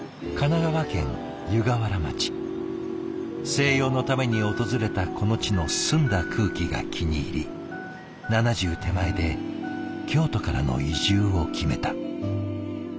静養のために訪れたこの地の澄んだ空気が気に入り７０手前で京都からの移住を決めた。